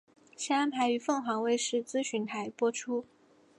现安排于凤凰卫视资讯台播出。